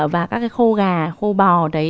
và các cái khô gà khô bò đấy